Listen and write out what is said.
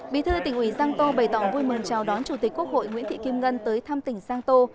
bí thư tỉnh ủy giang tô bày tỏ vui mừng chào đón chủ tịch quốc hội nguyễn thị kim ngân tới thăm tỉnh giang tô